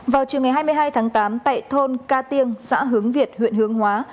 vào chiều ngày hai mươi hai tháng tám tại thôn ca tiêng xã hướng việt huyện hướng hóa